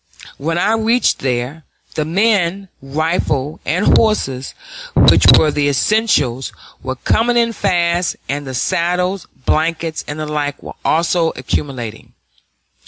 When I reached there, the men, rifles, and horses, which were the essentials, were coming in fast, and the saddles, blankets, and the like were also accumulating.